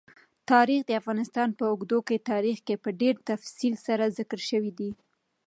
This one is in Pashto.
تاریخ د افغانستان په اوږده تاریخ کې په ډېر تفصیل سره ذکر شوی دی.